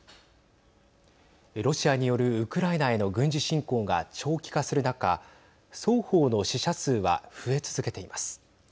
ロシアによるウクライナへの軍事侵攻が長期化する中双方の死者数は増え続けています。